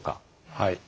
はい。